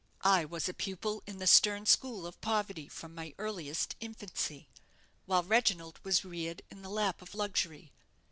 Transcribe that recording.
I was a pupil in the stern school of poverty from my earliest infancy, while Reginald was reared in the lap of luxury.